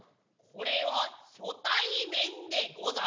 これは初対面でござる。